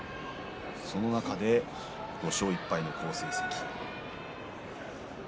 その中で５勝１敗の好成績。